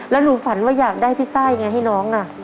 แล้วหนูฝันว่าอยากได้พิซซ่ายังไงให้น้อง